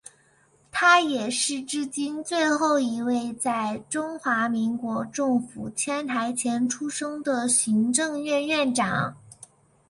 他也是至今最后一位在中华民国政府迁台前出生的行政院院长。